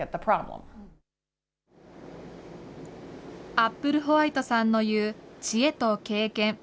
アップルホワイトさんの言う知恵と経験。